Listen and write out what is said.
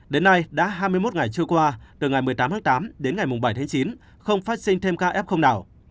đến nay đã hai mươi một ngày trôi qua từ ngày một mươi tám tháng tám đến ngày bảy tháng chín không phát sinh thêm ca f nào